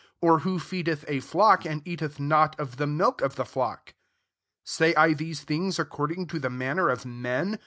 or who feedeth a ilocky and eateth not of the milk of the flock ? 8 Say I these things according to the manner if men